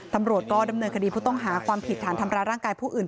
ตำรวจก็ดำเนินคดีผู้ต้องหาความผิดฐานทำร้ายร่างกายผู้อื่น